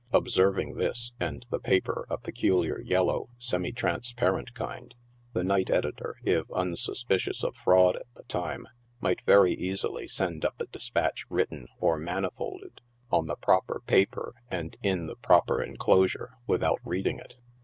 Observing this, and the paper a peculiar yellow, semi transparent kind, the night editor, if unsuspicious of fraud at the time, might very easily send up a despatch written, or manifolded, on the proper paper and in the proper enclosure, without reading it.